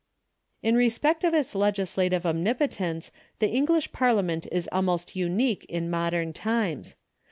In respect of its legislative omnipotence the English Parliament is almost unique in modern times.